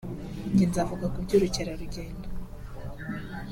njye nzavuga ku by’ubukerarugendo